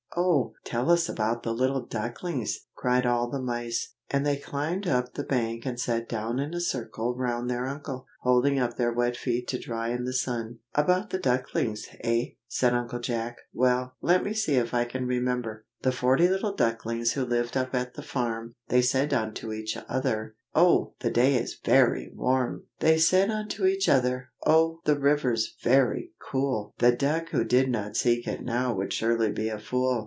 "Oh! tell us about the little ducklings!" cried all the mice. And they climbed up the bank and sat down in a circle round their uncle, holding up their wet feet to dry in the sun. "About the ducklings, eh?" said Uncle Jack, "well, let me see if I can remember." The forty little ducklings who lived up at the farm, They said unto each other, "oh! the day is very warm!" They said unto each other, "oh! the river's very cool! The duck who did not seek it now would surely be a fool!"